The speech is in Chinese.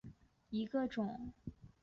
马岭竹为禾本科簕竹属下的一个种。